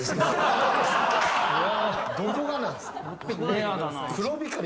どこがなんすか？